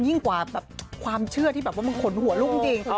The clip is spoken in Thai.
ยิ่งกว่าแบบความเชื่อที่แบบว่ามันขนหัวลูกจริง